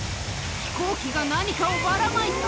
飛行機が何かをばらまいた！